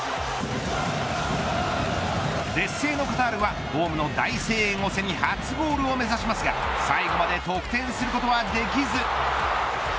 劣勢のカタールはホームの大声援を背に初ゴールを目指しますが最後まで得点することはできず。